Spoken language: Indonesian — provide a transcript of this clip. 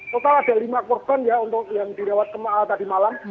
total ada lima korban ya untuk yang dirawat tadi malam